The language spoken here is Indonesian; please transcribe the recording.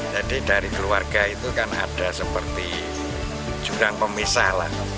jadi dari keluarga itu kan ada seperti jurang pemisah lah